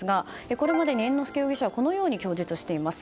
これまでに猿之助容疑者はこのように供述しています。